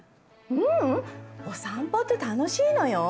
ううんお散歩って楽しいのよ。